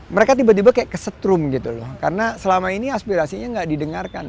mereka tiba tiba kayak kesetrum gitu loh karena selama ini aspirasinya nggak didengarkan